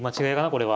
これは。